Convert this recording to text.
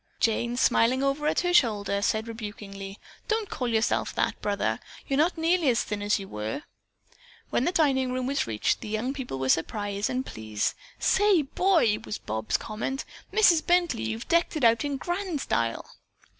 Jane, smiling over her shoulder, said rebukingly, "Don't call yourself that, brother. You're not nearly as thin as you were." When the dining room was reached, the young people were surprised and pleased. "Say, boy!" was Bob's comment "Mrs. Bently, you've decked it out in grand style."